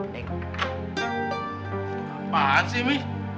ngapain sih mih